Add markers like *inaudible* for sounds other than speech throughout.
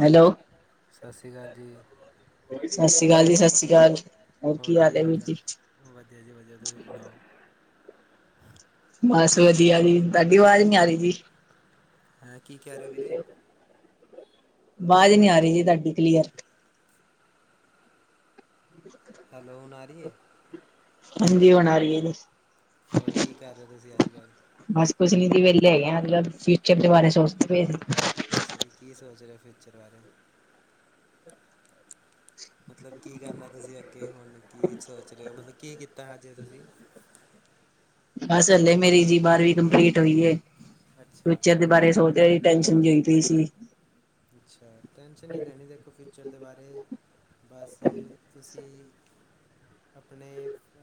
Hello ਸਤਿ ਸ਼੍ਰੀ ਅਕਾਲ ਜੀ ਸਤਿ ਸ੍ਰੀ ਅਕਾਲ ਜੀ ਸਤਿ ਸ਼੍ਰੀ ਅਕਾਲ ਹੋਰ ਕੀ ਹਾਲ ਹੈ ਵੀਰ ਜੀ ਚਾਲ ਵਧੀਆ ਜੀ ਵਧੀਆ ਤੁਸੀਂ ਸੁਣਾਓ ਬਸ ਵਧੀਆ ਜੀ ਤੁਹਾਡੀ ਆਵਾਜ਼ ਨੀ ਆ ਰਹੀ ਜੀ ਹੈਂ ਕੀ ਕਹਿ ਰਿਹੇ ਹੋ ਵੀਰੇ ਵਾਜ਼ ਨੀ ਆ ਰੀ ਜੀ ਤਾਡੀ ਕਲੀਅਰ *unintelligible* ਹੈਲੋ ਹੂੰ ਆਰੀ ਏ? ਹਾਂਜੀ ਹੁਣ ਆਰੀ ਐ ਜੀ। ਹੋਰ ਕੀ ਕਰ ਰੇ ਓ ਤੁਸੀਂ ਅੱਜ ਕੱਲ? ਬਸ ਕੁਛ ਨੀ ਸੀ ਵਹਲੇ ਹੈਗੇਤਲ ਫਿਊਚਰ ਦੇ ਬਾਰੇ ਸੋਚਦੇ ਸਈ ਕੀ ਸੋਚ ਰਿਆ ਫਿਊਚਰ ਬਾਰੇ? ਮਤਲਬ ਕੀ ਕਰਨਾ ਤੁਸੀਂ ਅੱਗੇ ਹੁਣ ਕੀ ਸੋਚ ਰੇ ਓ ਮਤਲਬ ਕੀ ਕੀਤਾ ਹਜੇ ਤੁਸੀਂ? ਬਸ ਹਲੇ ਮੇਰੀ ਜੀ ਬਾਰਵੀਂ ਕੰਪਲੀਟ ਹੋਈ ਐ ਅੱਛਾ ਫਿਊਚਰ ਦੇ ਬਾਰੇ ਸੋਚ ਰ ਟੈਨਸ਼ਨ ਜੀ ਹੋਈ ਪਈ ਸੀ। ਅੱਛਾ ਟੈਂਸ਼ਨ ਨੀ ਲੈਣੀ ਦੇਖੋ ਫਿਊਚਰ ਦੇ ਬਾਰੇ ਬਸ ਤੁਸੀਂ ਆਪਣੇ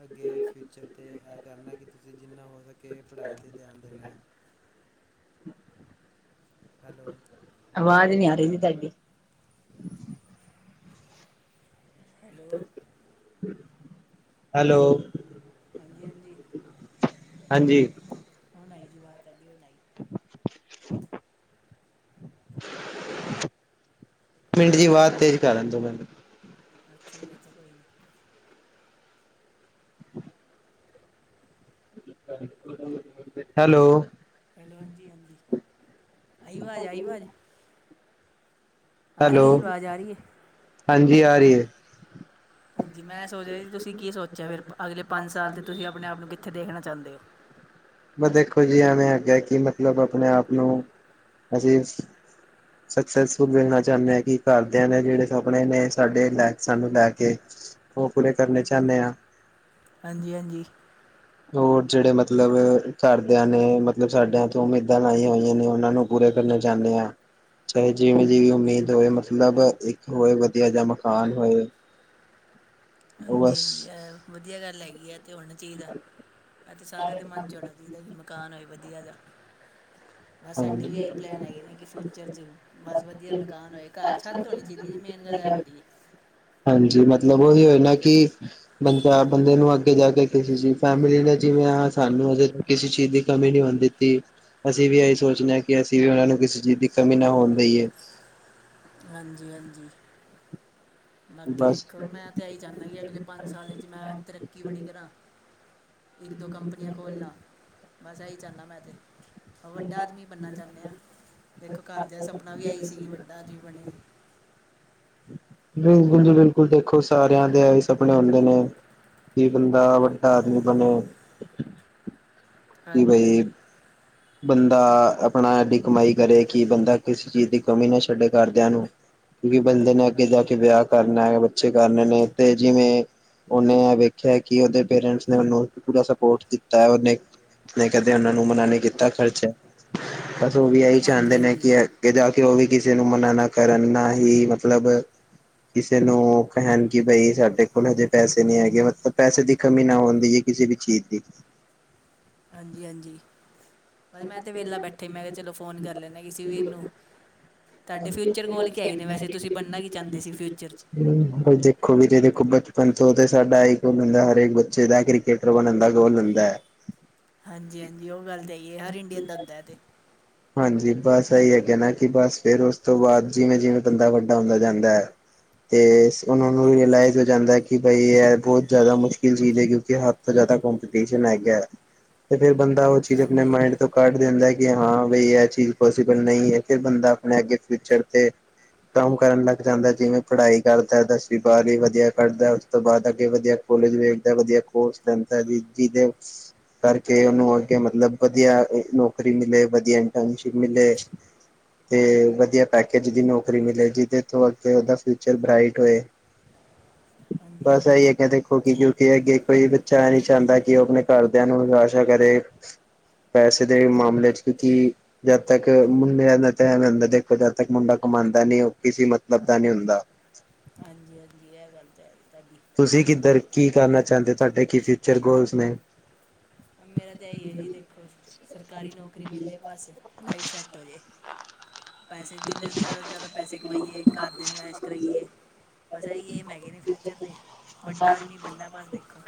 ਅੱਗੇ ਫਿਊਚਰ ਤੇ ਐ ਕਰਨਾ ਕਿ ਤੁਸੀਂ ਜਿੰਨਾ ਹੋ ਸਕੇ ਪੜ੍ਹਾਈ ਤੇ ਧਿਆਨ ਦੇਣਾ। *inaudible* ਹੈਲੋ ਆਵਾਜ਼ ਨਹੀਂੀ ਆ ਰਹੀਦੀ ਤੁਹਾਡੀ *inaudible* ਹੈਲੋ *inaudible* ਹੈਲੋ ਹਾਂਜੀ ਹਾਂਜੀ ਹਾਂਜੀ ਹੁਣ ਆਈ ਜੀ *inaudible* *unintelligible* ਮਿੰਟ ਜੀ ਵਾਜ ਤੇਜ ਕਰਨ ਦੋ ਮੈਨੂੰ ਅੱਛਾ ਜੀ ਅੱਛਾ ਕੋਈ ਨੀ ਹੈਲੋ ਹੈਲੋ ਹਾਂਜੀ ਹਾਂਜੀ ਆਈ ਵਾਜ਼ ਆਈ ਵਾਜ਼ ਆ ਰੀ ਹੈਲੋ ਐ ਜੀ ਵਾਜ਼ ਆ ਰੀ ਏ? ਹਾਂਜੀ ਆ ਰਹੀ ਹੈ ਹਾਂਜੀ ਮੈਂ ਸੋਚ ਰੀ ਤੁਸੀਂ ਕੀ ਸੋਚਿਆ ਫਿਰ ਅਗਲੇ ਪੰਜ ਸਾਲ ਤੇ ਤੁਸੀਂ ਆਪਣੇ ਆਪ ਨੂੰ ਕਿੱਥੇ ਦੇਖਣਾ ਚਾਦੇ ਓ? ਬਾ ਦੇਖੋ ਜੀ ਐਵੇਂ ਆਗਿਆ ਕਿ ਮਤਲਬ ਆਪਣੇ ਆਪ ਨੂੰ ਅਸੀਂ ਸਕਸੈਸਫੁਲ ਵੇਖਣਾ ਚਾਨੇ ਆ ਕਿ ਘਰ ਦਿਆਂ ਨੇ ਜਿਹੜੇ ਸਪਨੇ ਨੇ ਸ ਓ ਪੂਰੇ ਕਰਨੇ ਚਾਨੇ ਆ। ਹਾਂਜੀ-ਹਾਂਜੀ ਹੋਰ ਜੇੜੇ ਮਤਲਬ ਕਰਦਿਆਂ ਨੇ ਮਤਲਬ ਸਾਡਿਆਂ ਤੋਂ ਉਮੀਦਾਂ ਲਾਈਆਂ ਹੋਈਆਂ ਨੇ ਓਨਾਂ ਨੂੰ ਪੂਰੇ ਕਰਨਾ ਚਾਨੇ ਆ। ਚਾਹੇ ਜਿਵੇਂ ਜੀ ਉਮੀਦ ਹੋਏ ਮਤਲਬ ਇੱਕ ਹ *unintelligible* ਹਾਂਜੀ ਹਾਂਜੀ ਇਹ ਤੇ ਵਧੀਆ ਗੱਲ ਹੈ ਹੁਣ ਵੀ ਚਾਹੀਦਾ। ਇਹ ਤੇ ਸਾਰਿਆਂ ਦੇ ਮਨ ਚ ਹੋਣਾ ਚਾਹੀਦਾ ਕਿ ਮਕਾਨ ਹੋਵੇ ਵਧੀਆ ਜਿਹਾ। ਬਸ ਸਾਡਾ ਵੀ ਆਈ ਪਲੈਨ ਆਈ ਨੇ ਕਿ ਫਿਊਚਰ ਜੀ ਬਸ ਵਧੀਆ ਮਕਾਨ ਹੋਏ ਘਰ ਚੀ ਦੀ ਮੇਨ ਗੱਲ ਆਉਂਦੀ ਹ ਹਾਂਜੀ ਮਤਲਬ ਓਹੀ ਹੋਏ ਨਾ ਕੀ ਬੰਦਾ ਬੰਦੇ ਨੂੰ ਅੱਗੇ ਜਾ ਕੇ ਕਿਸੇ ਸੀ ਫੈਮਿਲੀ ਨੇ ਜਿਵੇਂ ਆ ਸਾਨੂੰ ਹਜੇ ਕਿਸੀ ਚੀਜ਼ ਦੀ ਕਮੀ ਨੀ ਹੋਣ ਦਿੱਤੀ ਅਸੀਂ ਵੀ *unintelligible* ਸੋਚਨੇ ਆਂ ਕਿ ਅਸੀਂ ਵੀ ਓਨਾਂ ਨੂੰ ਕਿਸੇ ਚੀਜ਼ ਦੀ ਕਮੀ ਨਾ ਹੋਣ ਦਈਏ। ਹਾਂਜੀ-ਹਾਂਜੀ ਬਾਕੀ ਬਸ ਦੇਖੋ ਮੈਂ ਤਾਂ ਐ ਈ ਚਾਨਾ ਕੀ ਅਗਲੇ ਪੰਜ ਸਾਲ ਵਿੱਚ ਮੈਂ ਤਰੱਕੀ ਬੜੀ ਕਰਾਂ। ਇੱਕ ਦੋ ਕੰਪਨੀਆਂ ਖੋਲ ਲਾ। ਬਸ ਐ ਈ ਚਾਨਾ ਮੈਂ ਤੇ ਵੱਡਾ ਆਦਮੀ ਬਣਨਾ ਚਾਨੇ ਆਂ। ਦੇਖੋ ਘਰਦਿਆਂ ਸਪਨਾ ਵੀ ਆਈ ਸੀਗੀ ਵੱਡਾ ਜ ਬਿਲਕੁੱਲ ਜੀ ਬਿਲਕੁੱਲ ਦੇਖੋ ਸਾਰਿਆਂ ਦੇ ਆਈ ਸਪਨੇ ਹੁੰਦੇ ਨੇ। ਕੀ ਬੰਦਾ ਵੱਡਾ ਆਦਮੀ ਬਣੇ। ਕਿ ਬਈ ਹਾਂਜੀ-ਹਾਂਜੀ ਬੰਦਾ ਅਪਣਾ ਐਡੀ ਕਮਾਈ ਕਰੇ ਕਿ ਬੰਦਾ ਕਿਸੇ ਚੀਜ਼ ਦੀ ਕਮੀ ਨਾ ਛੱਡੇ ਘਰਦਿਆਂ ਨੂੰ। ਕਿਉਂਕਿ ਬੰਦੇ ਨੇ ਅੱਗੇ ਜਾ ਕੇ ਵਿਆਹ ਕਰਨਾ ਐ ਬੱਚੇ ਕਰਨੇ ਨੇ ਤੇ ਜਿਵੇਂ ਓਨੀ ਐ ਵੇਖਿਆ ਕਿ ਔਦੇ ਪੇਰੈਂਟਸ ਨੇ ਔਨੂੰ ਪੂਰਾ ਸਪੋਰਟ ਦਿੱਤਾ ਐ। ਔਨੇ ਨੇ ਕਦੇ ਔਨਾਂ ਨੂੰ ਮਨਾ ਨੀ ਕੀਤਾ ਖਰਚਾ ਬਸ ਔ ਵੀ ਐਹੀ ਹਾਂਜੀ ਚਾਹੁੰਦੇ ਨੇ ਹਾਂਜੀ ਕਿ ਅੱਗੇ ਜਾ ਕੇ ਓ ਵੀ ਕਿਸੇ ਨੂੰ ਮਨਾ ਨਾ ਕਰਨ ਨਾ ਹੀ ਮਤਲਬ ਕਿਸੇ ਨੂੰ ਕਹਿਣ ਕਿ ਬਈ ਸਾਡੇ ਕੋਲ ਹਜੇ ਪੈਸੇ ਨੀ ਹੈਗੇ ਮਤਲਬ ਪੈਸੇ ਦੀ ਕਮੀ ਨਾ ਹੁੰਦੀ। ਕਿਸੇ ਵੀ ਚੀਜ਼ ਦੀ। ਹਾਂਜੀ ਹਾਂਜੀ। ਮ ਮੈਂ ਤੇ ਵੇਹਲਾ ਬੈਠਾ। ਮੈਂ ਕਿਹਾ ਚਲੋ ਫੋਨ ਕਰ ਲੈਨਾ ਕਿਸੀ ਵੀਰ ਨੂੰ। ਹੁਂ ਤੁਹਾਡੇ ਫਿਊਚਰ ਗੋਲ ਕੀ ਹੈਗੇ ਨੇ ਵੈਸੇ ਤੁਸੀਂ ਬਣਨਾ ਕੀ ਚਾਹੁੰਦੇ ਸੀ ਫਿਊਚਰ 'ਚ ਹਾਂਜੀ। ਦੇਖੋ ਵੀਰੇ ਦੇਖੋ ਬਚਪਨ ਤੋਂ ਤੇ ਸਾਡਾ ਐ ਈ ਗੋਲ ਹੁੰਦਾ ਹਰੇਕ ਬੱਚੇ ਦਾ ਕ੍ਰਿਕੇਟਰ ਬਣਨ ਦਾ ਗੋਲ ਹੁੰਦਾ ਐ। ਹਾਂਜੀ ਹਾਂਜੀ ਓ ਗੱਲ ਤਾਂ ਹੈਗੀ ਹੈ ਹਰ ਇੰਡੀਅਨ ਦਾ ਹੁੰਦਾ ਐ ਤੇ। ਹਾਂਜੀ ਬਸ ਐਹੀ ਹੈਗਾ ਨਾ ਕਿ ਬਸ ਫੇਰ ਓਸ ਤੋਂ ਬਾਦ ਜਿਵੇਂ ਜਿਵੇਂ ਬੰਦਾ ਵੱਡਾ ਹੁੰਦਾ ਜਾਂਦਾ ਐ। ਉਹਨਾਂ ਨੂੰ ਵੀ ਲਾਈਵ ਹੋ ਜਾਂਦਾ ਕਿ ਬਈ ਬਹੁਤ ਜਿਆਦਾ ਮੁਸ਼ਕਿਲ ਚੀਜ਼ ਹੈ ਕਿਉਂਕਿ ਸਭ ਤੋਂ ਜਿਆਦਾ ਕੰਪਟੀਸ਼ਨ ਹੈਗਾ *unintelligible* ਤੇ ਫੇਰ ਬੰਦਾ ਓ ਚੀਜ਼ ਆਪਣੇ ਹਾਂਜੀ ਹਾਂਜੀ ਮਾਇੰਡ ਤੋਂ ਕੱਢ ਦਿੰਦਾ ਕੀ ਹਾਂ ਬਈ ਐ ਚੀਜ਼ ਪੋਸੀਬਲ ਨਈ ਐ ਫਿਰ ਬੰਦਾ ਆਪਣੇ ਅੱਗੇ ਫਿਊਚਰ ਕੰਮ ਕਰਨ ਲੱਗ ਜਾਂਦਾ ਜਿਵੇਂ ਪੜ੍ਹਾਈ ਕਰਦਾ ਦਸਵੀਂ ਬਾਰਵੀਂ ਵਧੀਆ ਕੱਢਦੈ। ਤੋਂ ਬਾਅਦ ਅਗੇ ਵਧੀਆ ਕੋਲੇਜ ਵੇਖਦਾ ਐ ਵਧੀਆ ਕੋਰਸ ਲੈਂਦਾ ਜਿ ਜਿਦੇ ਕਰਕੇ ਔਨੂੰ ਅੱਗੇ ਮਤਲਬ ਵਧੀਆ ਨੌਕਰੀ ਮਿਲੇ ਵਧੀਆ ਇੰਟਰਨਸ਼ਿਪ ਮਿਲੇ। ਤੇ ਵਧੀਆ ਪੈਕੇਜ ਦੀ ਨੌਕਰੀ ਮਿਲੇ ਜਿਦੇ ਤੋਂ ਅੱਗੇ ਔਦਾ ਫਿਊਚਰ ਬ੍ਰਾਈਟ ਹੋਏ। ਹਾਂਜੀ ਬਸ ਐਈ ਹਾਂਜੀ ਹੈ ਕਦੇ ਕਿਉਂਕਿ ਅੱਗੇ ਕੋਈ ਬੱਚਾ ਨੀ ਚਾਹੁੰਦਾ ਕਿ ਔ ਅਪਣੇ ਘਰਦਿਆਂ ਨੂੰ ਨਿਰਾਸ਼ਾ ਕਰੇ। ਪੈਸੇ ਦੇ ਮਾਮਲੇ ਚ ਕਿਉਂਕਿ ਜਦ ਤੱਕ ਮੁੰਡੇਆਂ ਦਾ ਟੈਮ ਹੁੰਦਾ ਦੇਖੋ ਜਦ ਤੱਕ ਮੁੰਡਾ ਕਮਾਂਦਾ ਨੀ ਓ ਕਿਸੀ ਮਤਲਬ ਦਾ ਨੀ ਹੁੰਦਾ। ਹਾਂਜੀ ਹਾਂਜੀ ਐ ਗੱਲ ਤਾਂ ਹੈ ਤਾਡੀ। ਤੁਸੀ ਕਿੱਧਰ ਕੀ ਕਰਨਾ ਚਾਹੁੰਦੇ ਹੋ ਤੁਹਾਡੇ ਕੀ ਫਯੂਚਰ ਗੋਲਸ ਨੇ? ਮੇਰਾ ਤੇ ਐਈ ਐ ਜੀ ਦੇਖੋ ਸਰਕਾਰੀ ਨੌਕਰੀ ਮਿਲੇ ਬਸ ਲਾਈਫ ਸੈਟ ਹੋ ਜੇ। ਪੈਸੇ ਜਿੰਨੇ ਜਾਦਾ ਤੋਂ ਜਿਦਾ ਪੈਸੇ ਕਮਾਈਏ ਘਰ ਦੇ ਨੁ ਐਸ਼ ਕਰਾਈਏ। ਬਸ ਐਈ ਏਮ ਹੈਗੇ ਨੇ ਫਿਊਚਰ ਦੇ। ਵੱਡਾ ਆਦਮੀ ਬਣਨਾ ਐ ਬਸ ਦੇਖੋ,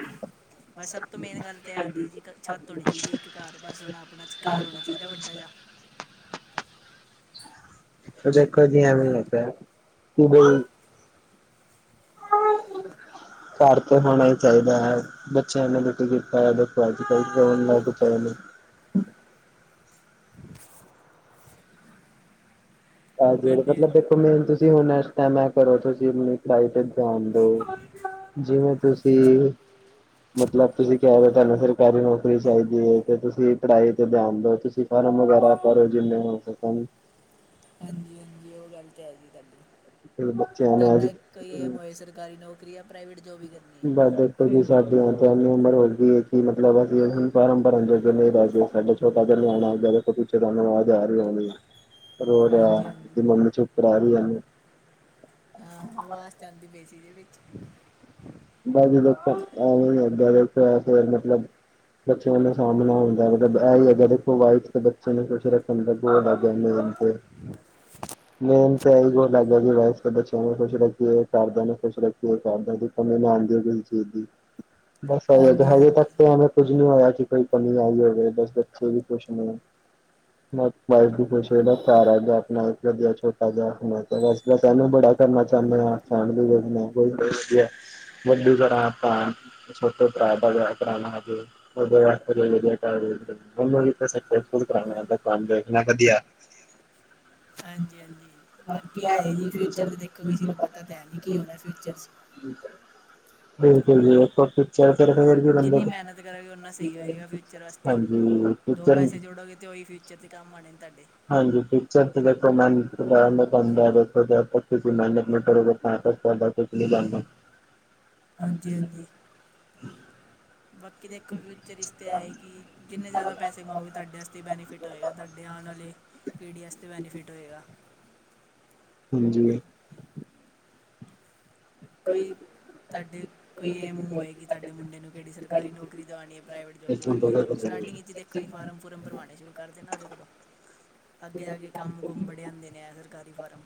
ਬਸ ਸਭ ਤੋਂ ਮੇਨ ਗੱਲ ਤੇ ਐ ਹੁੰਦੀ ਜੀ ਕ ਛੱਤ ਹੋਣੀ ਚਾਹੀਦੀ ਹੈ ਇੱਕ। ਘਰ ਬਸ ਹੋਣਾ ਅਪਣਾ ਘਰ ਹੋਣਾ ਚਾਹੀਦਾ ਵੱਡਾ ਜਾ। *unintelligible* ਘਰ ਤੇ ਹੋਣਾ ਹੀ ਚਾਹੀਦਾ ਹੈ। ਬੱਚੇਆਂ ਨੂੰ ਦੇਖੋ ਜੀ ਅਜ ਕੱਲ ਫੋਨ ਲਗ ਪਏ ਨੇ। ਹਾਂ ਜੇੜੇ ਹਾਂਜੀ ਮਤਲਬ ਹਾਂਜੀ ਦੇਖੋ ਮੇਨ ਤੁਸੀ ਹੁਣ ਏਸ ਟੈਮ ਐ ਕਰੋ ਤੁਸੀ ਅਪਣੀ ਪੜਾਈ ਤੇ ਧਿਆਨ ਦੋ। ਜਿਵੇਂ ਤੁਸੀ ਮਤਲਬ ਤੁਸੀ ਕਿਹਾ ਵੇ ਤੁਹਾਨੂੰ ਸਰਕਾਰੀ ਨੌਕਰੀ ਚਾਹੀਦੀ ਹੈ ਤੇ ਤੁਸੀ ਪੜ੍ਹਾਈ ਤੇ ਧਿਆਨ ਦੋ ਤੁਸੀ ਫਾਰਮ ਵਗੈਰਾ ਭਰੋ ਜਿਨੇ ਹੋ ਸਕਣ। ਹਾਂਜੀ ਹਾਂਜੀ ਓਹ ਗੱਲ ਤੇ ਹੈ ਜੀ ਤਾਡੀ। ਬੱਚਿਆਂ ਨੇ ਤਾਡਾ ਕੋਈ ਅੱਜ ਏਮ ਹੋਏ ਸਰਕਾਰੀ ਨੌਕਰੀ ਯਾ ਪ੍ਰਾਈਵੇਟ ਜੋ ਵੀ ਕਰਨੀ। ਬ ਹੈ ਦੇਖੋ ਜੀ ਸਾਡੀ ਹੁਣ ਤੇ ਏਨੀ ਉਮਰ ਹੋ ਗਈ ਏ ਕਿ ਮਤਲਬ ਅਸੀ ਹੁਣ ਫਾਰਮ ਭਰਨ ਜੋਗੇ ਨੀ ਰਹਿ ਗਏ ਸਾਡੇ ਪਤਾ ਨੀ ਆਉਣਾ ਦੇਖੋ ਪਿੱਛੇ ਤੁਹਾਨੂੰ ਆਵਾਜ਼ ਆਰੀ ਹੋਣੀ। ਰੋ ਰਿਆ ਹਾਂਜੀ ਹਾਂਜੀ ਦੀ ਮੰਮੀ ਚੁਪ ਕਰਾ ਰੀ ਏਨੂੰ। ਹਾਂ ਆਵਾਜ਼ ਤੇ ਆਂਦੀ ਪਈ ਸੀ ਏਦੇ ਚ ਬ ਜੀ ਦੇਖੋ ਏਂਵੇ ਈ ਹੁੰਦਾ ਏ ਫੇਰ ਮਤਲਬ ਬੱਚੇਆਂ ਦਾ ਸਾਮਣਾ ਹੁੰਦਾ ਮਤਲਬ ਐ ਹੈਗਾ ਦੇਖੋ ਵਾ ਬੱਚੇ ਨੂੰ ਕੁਛ ਰੱਖਣ ਦੋ *unintelligible* *inaudible* ਮੇਨ ਤਾਂ ਐਈਓ ਲੱਗੇਆ ਜੀ ਬਸ ਬੱਚੇਆਂ ਨੂੰ ਖੁਸ਼ ਰੱਖੀਏ ਘਰ ਦੇਆਂ ਨੂੰ ਖੁਸ਼ ਰੱਖੀਏ ਘਰਦੇਆਂ ਦੀ *unintelligible* ਬਸ ਹਜੇ ਹਾਂਜੀ ਹਾਂਜੀ ਤੱਕ ਐਵੇਂ ਕੁੱਝ ਨੀ ਹੋਇਆ ਕਿ ਕੋਈ ਕਮੀ ਆਈ ਹੋਵੇ ਬਸ ਬੱਚੇ ਵੀ ਕੁਛ ਨਹੀਂ। *inaudible* ਵਾਈਫ ਵੀ ਖੁਸ਼ ਪਿਆਰਾ ਜ ਆਪਣਾ ਇੱਕ ਵਧੀਆ ਛੋਟਾ ਜਿਹਾ ਆਪਣਾ ਬਸ ਬਸ ਇਹਨੂੰ ਬੜਾ ਕਰਨਾ ਚਾਨੇ ਆ। *unintelligible* ਛੋਟੋ ਭਰਾ ਦਾ ਵਿਆਹ ਕਰਨਾ ਹਜੇ। *unintelligible* ਕੰਮ ਦੇਖਣਾ। ਹਾਂਜੀ ਹਾਂਜੀ। ਬਾਕੀ ਐ ਜੀ ਫਿਊਚਰ ਤੇ ਦੇਖੋ ਕਿਸੇ ਨੂੰ ਪਤਾ ਤਾਂ ਹੈ ਨੀ ਕੀ ਹੋਣਾ ਫਿਊਚਰ 'ਚ। *unintelligible* ਜਿੰਨੀ ਮਿਹਨਤ *inaudible* ਕਰੋਗੇ ਉਨਾ ਸਹੀ ਹੋਏਗਾ ਫਿਊਚਰ ਵਾਸਤੇ ਦੋ ਪੈਸੇ *unintelligible* ਜੋੜੋਗੇ ਤੇ ਔਈ ਫਿਊਚਰ ਦੇ ਕੰਮ ਆਣੇ ਨੇ ਤਾਡੇ। ਹਾਂਜੀ ਫਿਊਚਰ ਤੇ ਦੇਖੋ ਮੈਨ ਤਾਨ ਦਸ ਦਾ ਦੇਖੋ ਜਬ ਤਕ ਤੁਸੀ ਮੇਹਨਤ ਨੀ ਕਰੋਗੇ ਤਾਂ ਤਕ ਤਾਡਾ *inaudible* *inaudible* ਹਾਂਜੀ, ਬਾਕੀ ਦੇ ਇੱਕੋ ਫਿਊਚਰ ਇਸ 'ਤੇ ਐ ਕਿ ਜਿੰਨੇ ਜ਼ਿਆਦਾ ਪੈਸੇ ਕਮਾਓਗੇ ਤੁਹਾਡੇ ਵਾਸਤੇ ਈ ਬੈਨੀਫਿਟ। ਹੋਏਗਾ। ਤੁਹਾਡੇ ਆਣ ਵਾਲੇ ਟੀ ਡੀ ਐੱਸ 'ਤੇ ਬੈਨੀਫਿਟ ਹੋਏਗਾ। ਹਾਂਜੀ, ਕੋਈ *inaudible* ਤੁਹਾਡੇ ਕੋਈ ਏਮ ਉਮ ਹੋਏ ਕਿ ਤੁਹਾਡੇ ਮੁੰਡੇ ਨੂੰ ਕਿਹੜੀ ਸਰਕਾਰੀ ਨੌਕਰੀ ਦਿਵਾਣੀ ਐ ਪ੍ਰਾਈਵੇਟ ਜੋਬ ਦਿਵਾਣੀ ਐ। ਸਟਾਰਟਿੰਗ 'ਚ ਦੇਖੋ ਜੀ ਫਾਰਮ ਫੂਰਏਮ ਫਾਰਮ ਭਰਵਾਣੇ ਸ਼ੁਰੂ ਕਰਦੇ ਨਾ ਉਹਦੇ ਕੋਲੋਂ ਅੱਗੇ ਜਾ ਕੇ ਕੰਮ ਕੁਮ ਵੜੇ ਆਂਦੇ ਨੇ ਆ ਸਰਕਾਰੀ ਫਾਰਮ।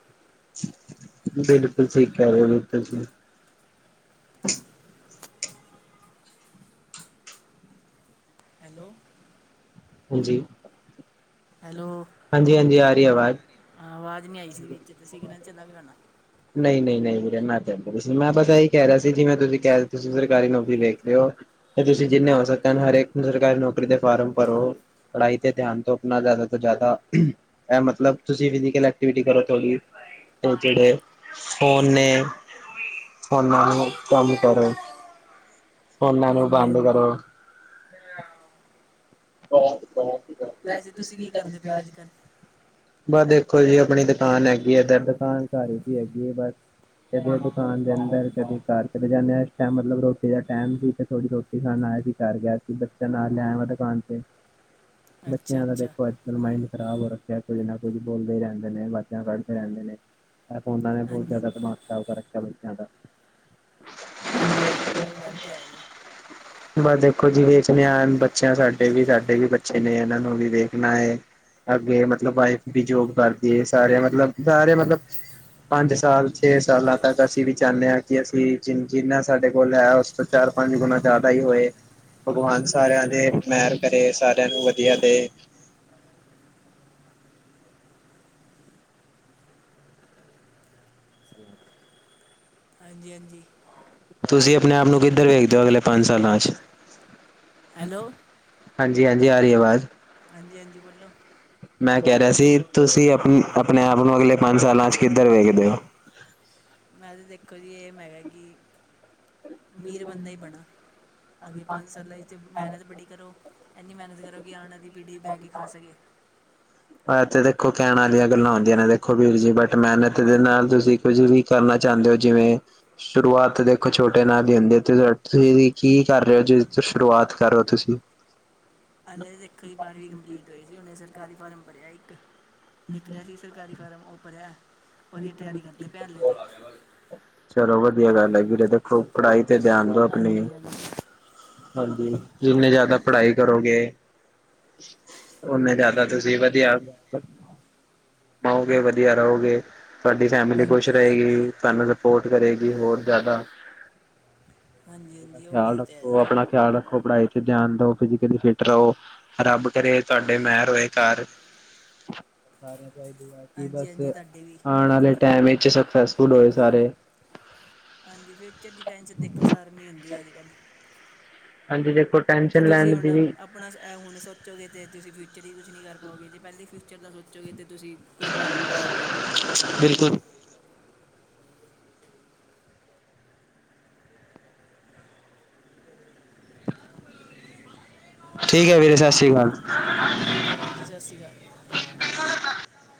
ਬਿਲਕੁਲ, ਠੀਕ ਕਹਿ ਰਹੇ ਓ ਜੀ ਤੁਸੀਂ। ਹੈਲੋ, ਹਾਂਜੀ ਹਾਂਜੀ, ਹਾਂਜੀ ਆ ਰਹੀ ਆਵਾਜ਼। ਹਾਂ, ਆਵਾਜ਼ ਨਹੀਂ ਆਈ ਸੀ ਵਿੱਚ ਤਾਂ ਸਿਗਨਲ ਚਲਾ ਗਿਆ ਹੋਣਾ। ਨਹੀਂ ਨਹੀਂ, ਨਹੀਂ ਮੇਰਾ ਮੈਂ ਤਾਂਹਿੰਦਾ ਸੀ ਮੈਂ ਪਤਾ ਇਹੀ ਕਹਿ ਰਿਹਾ ਸੀ ਜਿਵੇਂ ਤੁਸੀਂ ਕਹਿ ਤੁਸੀਂ ਸਰਕਾਰੀ ਨੌਕਰੀ ਦੇੇਖ ਰਹੇ ਓ। ਤੇ ਤੁਸੀਂ ਜਿੰਨੇ ਹੋ ਸਕਦੇ ਹਰੇਕ ਨੂੰ ਸਰਕਾਰੀ ਨੌਕਰੀ ਦੇ ਫਾਰਮ ਭਰੋ। ਪੜ੍ਹਾਈ ਤੇ ਧਿਆਨ ਤੋਂ ਆਪਣਾ ਜ਼ਿਆਦਾ ਤੋਂ ਜ਼ਿਆਦਾ ਇਹ ਮਤਲਬ ਤੁਸੀਂ ਫਿਜ਼ਕਲ ਐਕਟੀਵਿਟੀ ਕਰੋ। ਉਹ ਕਿਹੜੇ ਫੋਨ ਨੇ ਫੋਨ ਨਾਲ ਕੰਮ ਕਰੋ। ਫੋਨਾਂ ਨੂੰ ਹਾਂਜੀ ਬੰਦ ਹਾਂਜੀ ਕਰੋ। ਵੈਸੇ ਤੁਸੀਂ ਕੀ ਕਰਦੇ ਪਏ ਓ ਅੱਜ ਕੱਲ੍ਹ। ਬਸ ਦੇਖੋ ਜੀ ਆਪਣੀ ਦੁਕਾਨ ਹੈਗੀ ਇਧਰ ਦੁਕਾਨ ਘਰ ਹੈਗੀ ਆ ਬਸ। ਕਦੇ ਦੁਕਾਨ ਦੇ ਅੰਦਰ ਕਦੇ ਕਦੀ ਘਰ। ਚਲੇ ਜਾਣੇ ਆ ਇਸ ਟਮ ਮਤਲਬ ਰੋਟੀ ਦਾ ਟਾਈਮ ਸੀ ਤੇ ਥੋੜ੍ਹੀ ਰੋਟੀ ਖਾਣ ਆਇਆ ਸੀ ਘਰ ਗਿਆ ਸੀ ਬੱਚਾ ਨਾਲ ਲਿਆ ਵਾ ਦੁਕਾਨ ਤੇ। ਅੱਛਾ ਬੱਚਿਆਂ ਦਾ ਅੱਛਾ ਦੇਖੋ ਅੱਜ। ਮਾਇੰਡ ਖਰਾਬ ਹੋ ਰੱਖਿਆ ਕੁੱਝ ਨਾ ਕੁੱਝ ਬੋਲਦੇ ਹੀ ਰਹਿੰਦੇ ਨੇ *unintelligible* ਕੱਢਦੇ ਰਹਿੰਦੇ ਨੇ। ਐ ਫੋਨਾਂ ਨੇ ਬਹੁਤ ਹਾਂਜੀ ਜ਼ਿਆਦਾ ਦਿਮਾਗ ਕਰ ਰੱਖਿਆ ਬੱਚਿਆਂ ਦਾ। ਹਾਂਜੀ ਹਾਂਜੀ, ਉਹ ਗੱਲ ਤਾਂ ਹੈ ਜੀ। ਬਸ ਦੇਖੋ ਜੀ ਵੇਚ ਦੇ ਆ ਬੱਚੇ ਸਾਡੇ ਤੇ ਵੀ ਸਾਡੇ ਵੀ ਬੱਚੇ ਨੇ ਇਹਨਾਂ ਨੂੰ ਵੀ ਦੇਖਣਾ ਏ ਅੱਗੇ ਮਤਲਬ ਵਾਈਫ ਵੀ ਜੋਬ ਕਰਦੀ ਐ ਸਾਰਿਆਂ ਮਤਲਬ ਸਾਰੇ ਮਤਲਬ ਪੰਜ ਸਾਲ ਛੇ ਸਾਲਾਂ ਤੱਕ ਅਸੀਂ ਵੀ ਚਾਂਦੇ ਆ ਕੀ ਅਸੀਂ ਜਿੰਨਾ ਸਾਡੇ ਕੋਲ ਐ ਉਸ ਚਾਰ ਪੰਜ ਗੁਣਾ ਜ਼ਿਆਦਾ ਹੀ ਹੋਏ ਭਗਵਾਨ ਸਾਰਿਆਂ ਦੇ। ਮੇਹਰ ਕਰੇ ਸਾਰਿਆਂ ਨੂੰ ਵਧੀਆ ਦੇ। *inaudible* ਹਾਂਜੀ-ਹਾਂਜੀ, ਤੁਸੀਂ ਆਪਣੇ ਆਪ ਨੂੰ ਕਿੱਧਰ ਵੇਖਦੇ ਹੋ, ਅਗਲੇ ਪੰਜ ਸਾਲਾਂ। ਹੈਲੋ, ਹਾਂਜੀ ਹਾਂਜੀ ਆ ਰਹੀ ਆਵਾਜ਼ ਹਾਂਜੀ-ਹਾਂਜੀ ਬੋਲੋ, ਮੈਂ ਕਹਿ ਰਿਹਾ ਸੀ, ਤੁਸੀਂ ਆਪ ਆਪਣੇ ਆਪ ਨੂੰ ਅਗਲੇ ਪੰਜ ਸਾਲਾਂ ਚ ਕਿੱਧਰ ਵੇਖਦੇ ਹੋ। ਮੈਂ ਤਾਂ ਦੇਖੋ, ਜੀ ਇਹ ਮੈਂ ਕਿਹਾ ਕਿ ਅਮੀਰ ਬੰਦਾ ਹੀ ਬਣਾ। ਅਗੇ ਪੰਜ ਸਾਲਾਂ ਵਿੱਚ ਅਤੇ ਮਿਹਨਤ ਬੜੀ ਕਰੋ। ਇੰਨੀ ਮਿਹਨਤ ਕਰੋ ਕਿ, ਆਣ ਵਾਲੀ ਪੀੜ੍ਹੀ ਬਹਿ ਕੇ ਖਾ ਸਕੇ। ਤੇ ਦੇਖੋ ਕਹਿਣ ਵਾਲੀਆਂ ਗੱਲਾਂ ਹੁੰਦੀਆਂ, ਨੇ ਦੇਖੋ ਵੀਰ ਜੀ ਬਟ ਮਿਹਨਤ ਦੇ ਨਾਲ ਤੁਸੀਂ ਕੁੱਝ ਵੀ ਕਰਨਾ ਚਾਹੁੰਦੇ ਹੋ ਜਿਵੇਂ ਸ਼ੁਰੂਆਤ ਦੇਖੋ ਛੋਟੇ ਨਾਲ ਦਿੰਦੇ ਤੇ, ਤੁਸੀਂ ਕੀ ਕਰ ਰਹੇ ਹੋ ਜੇ ਸ਼ੁਰੂਆਤ ਕਰੋ ਤੁਸੀਂ? ਹਲੇ ਦੇਖੋ ਬਾਰਵੀਂ ਕੰਪਲੀਟ ਹੋਈ ਸੀ ਉਹਨੇ ਸਰਕਾਰੀ ਫਾਰਮ ਭਰਿਆ ਇੱਕ ਨਿਕਲਿਆ ਸੀ। ਸਰਕਾਰੀ ਫਾਰਮ ਓ ਭਰਿਆ ਉਹਦੀ ਤਿਆਰੀ ਕਰਦੇ ਪਿਆ ਹਾਲੇ ਤੇ। ਚਲੋ ਵਧੀਆ ਗੱਲ ਐ ਵੀਰੇ ਦੇਖੋ ਪੜ੍ਹਾਈ ਤੇ ਧਿਆਨ ਦਓ ਆਪਣੀ। ਹਾਂਜੀ ਹਾਂਜੀ ਹਾਂਜੀ, ਜਿੰਨੀ ਜ਼ਿਆਦਾ ਪੜ੍ਹਾਈ ਕਰੋਗੇ। ਓ ਨੇ ਜ਼ਿਆਦਾ ਤੁਸੀਂ ਵਧੀਆ। ਕਮਾਔਰਗੇ ਵਧੀਆ ਰਹੋਗੇ ਤੁਹਾਡੀ ਫੈਮਿਲੀ ਖੁਸ਼ ਹਾਂਜੀ ਹਾਂਜੀ ਰਹੇਗੀ ਤੁਹਾਨੂੰ। ਸਪੋਰਟ ਕਰੇਗੀ ਹੋਰ ਜਿਆਦਾਦਾ ਹਾਂਜੀ ਹਾਂਜੀ ਉਹ ਗੱਲ ਖਿਆਲ ਤੇ ਹੈ ਰੱਖੋ ਜੀ ਆਪਣਾ ਖਿਆਲ ਰੱਖੋ, ਪੜ੍ਹਾਈ ਤੇ ਧਿਆਨ ਦੋ ਫਿਜ਼ਕਲੀ ਫਿਟ ਰਹੋ ਰੱਬ ਕਰੇ ਤੁਹਾਡੇ ਮਹਿਰ ਹੋਏ। ਸਾਰਿਆਂ ਤੋਂ ਇਹ ਦੂ ਕਿ ਹਾਂਜੀ ਬਸ ਹਾਂਜੀ ਤੁਹਾਡੇ ਵੀ ਆਣ ਆਲੇ, ਟੈਮ ਵਿੱਚ ਸਕਸੈਸਫੁੱਲ ਹੋਏ ਸਾਰੇ। ਹਾਂਜੀ, ਫਿਊਚਰ ਦੀ ਟਾਈਮ ਚ ਦੇਖੋ ਸਾਰਿਆਂ ਨੂੰ ਹੁੰਦੀ ਅੱਜ ਕੱਲ੍ਹ ਹਾਂਜੀ ਦੇਖੋ ਟੈਂ ਜੇ ਤੁਸੀਂ ਹੁਣ ਆਪਣਾ ਹੁਣੇ ਸੋਚੋਗੇ, ਤਾਂ ਤੁਸੀਂ ਫਿਊਚਰ ਹੀ ਕੁਛ ਨਹੀਂ ਕਰ ਪਾਓਗੇ, ਜੇ ਪਹਿਲੀ ਫਿਊਚਰ ਦਾ ਸੋਚ ਚੋਗੇ ਅਤੇ ਤੁਸੀਂ ਕੁਛ ਬਣ ਵੀ ਪਾਓਗੇ। ਬਿਲਕੁਲ ਠੀਕ ਹੈ, ਵੀਰੇ ਸਤਿ ਸ਼੍ਰੀ ਅਕਾਲ। ਠੀਕ ਹੈ, ਵੀਰ ਜੀ ਸਤਿ ਸ਼੍ਰੀ ਅਕਾਲ।